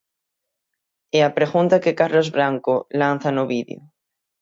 É a pregunta que Carlos Branco lanza no vídeo.